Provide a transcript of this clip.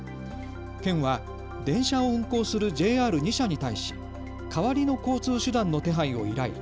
県は電車を運行するＪＲ２社に対し代わりの交通手段の手配を依頼。